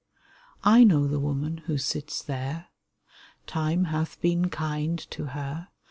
I know the woman who sits there ; Time hath been kind to her.